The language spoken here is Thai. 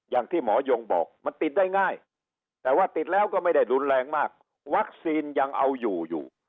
อย่างที่หมอยงบอกมันติดได้ง่ายแต่ว่าติดแล้วก็ไม่ได้รุนแรงมากวัคซีนยังเอาอยู่อยู่